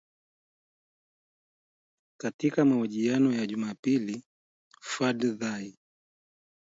Katika mahojiano ya Jumapili Fadzayi